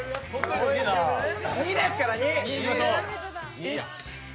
２ですから、２。